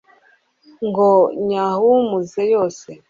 ngo nyahumuze yose